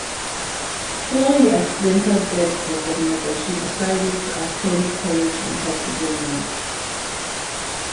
Following the accidental death of her mother, she decides to attend college in Pennsylvania.